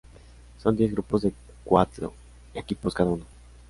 Son diez grupos de cuatro equipos cada uno.